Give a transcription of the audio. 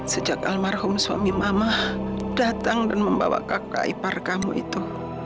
sejak almarhum suami mama datang dan membawa kakak ipar kamu itu